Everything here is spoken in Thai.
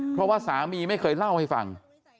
เพราะว่าสามีไม่เคยเล่าให้ฟัง